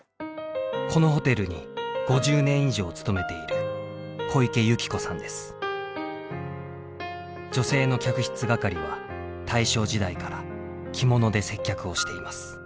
このホテルに５０年以上勤めている女性の客室係は大正時代から着物で接客をしています。